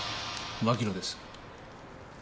牧野です。